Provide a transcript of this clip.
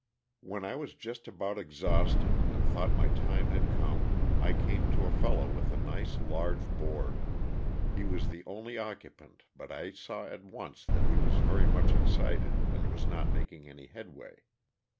When I was just about exhausted and thought my time had come, I came to a fellow with a nice large board. He was the only occupant but I saw at once that he was very much excited and was not making any headway.